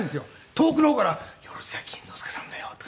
遠くの方から「萬屋錦之介さんだよ」とか。